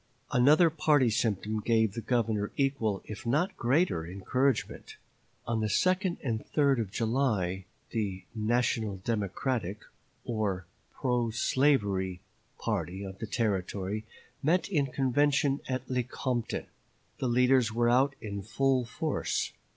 Another party symptom gave the Governor equal, if not greater, encouragement. On the 2d and 3d of July the "National Democratic" or pro slavery party of the Territory met in convention at Lecompton. The leaders were out in full force.